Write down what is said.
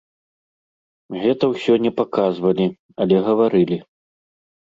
Гэта ўсё не паказвалі, але гаварылі.